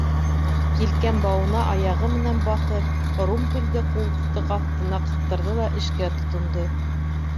Елкән бауына аяғы менән баҫып, румпелде ҡултыҡ аҫтына ҡыҫтырҙы ла эшкә тотондо.